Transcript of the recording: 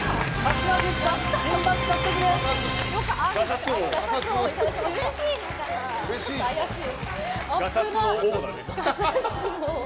ちょっと怪しい。